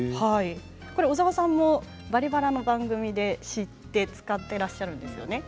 小澤さんも「バリバラ」の番組で知って使っていらっしゃるんですよね。